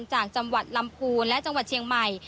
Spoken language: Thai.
จากจังหวัดลำพูนและจังหวัดเชียงใหม่